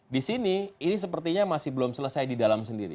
disini ini sepertinya masih belum selesai di dalam sendiri